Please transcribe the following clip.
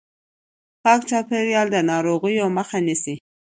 پاک چاپیریال د ناروغیو مخه نیسي.